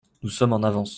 Nous sommes en avance.